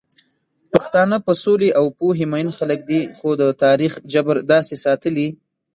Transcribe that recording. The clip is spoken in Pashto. پښتانه په سولې او پوهې مئين خلک دي، خو د تاريخ جبر داسې ساتلي